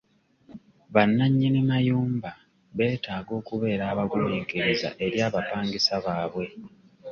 Bannannyini mayumba betaaga okubeera abagumiikiriza eri abapangisa baabwe.